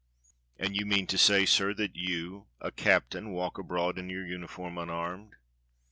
"And you mean to say, sir, that you, a captain, walk abroad in your uniform unarmed.